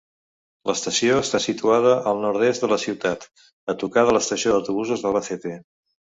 L'Estació està situada al nord-est de la ciutat, a tocar de l'Estació d'autobusos d'Albacete.